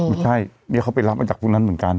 ไม่ใช่นี่เขาไปรับมาจากพวกนั้นเหมือนกัน